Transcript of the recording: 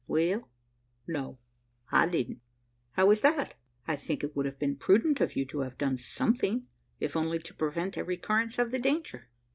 "Well no I didn't." "How is that? I think it would have been prudent of you to have done something if only to prevent a recurrence of the danger."